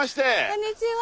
こんにちは。